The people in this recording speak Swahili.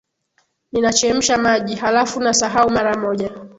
Ninachemsha maji, halafu nasahau mara moja.